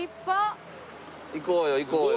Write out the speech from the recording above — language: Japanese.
行こうよ行こうよ。